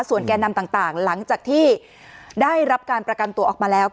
ส่วนแก่นำต่างหลังจากที่ได้รับการประกันตัวออกมาแล้ว